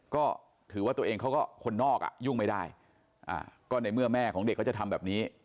ก็ถือว่าตัวเองเขาก็คนนอกอ่ะยุ่งไม่ได้ก็ในเมื่อแม่ของเด็กเขาจะทำแบบนี้